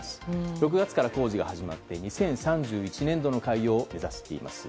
６月から工事が始まって２０３１年度の開業を目指しています。